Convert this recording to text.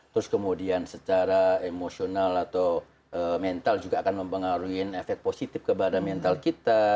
terus kemudian secara emosional atau mental juga akan mempengaruhi efek positif kepada mental kita